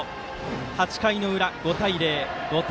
８回の裏、５対０５点